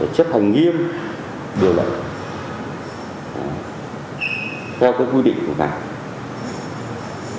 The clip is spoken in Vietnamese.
chấp hành nghiêm điều này do các quy định của hành vi